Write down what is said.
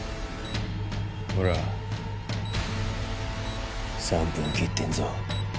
ほら３分切ってんぞ。